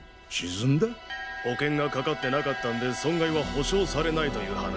保険がかかってなかったんで損害は補償されないという話だ。